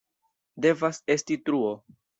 Devas esti truo!